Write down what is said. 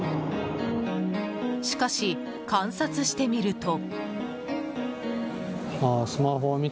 しかし、観察してみると。